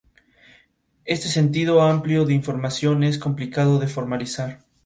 Es una pequeña cala con servicios e instalaciones.